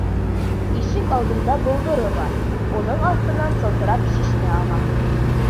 Ишек алдында болдоро бар, уның аҫтынан сылтырап шишмә аға.